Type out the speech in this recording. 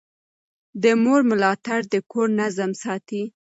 د مور ملاتړ د کور نظم ساتي.